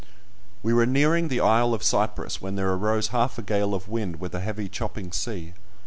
We were nearing the isle of Cyprus when there arose half a gale of wind, with a heavy chopping sea.